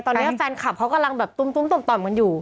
ตอนนี้แฟนคลับเขากำลังแบบตุ้มต่อมกันอยู่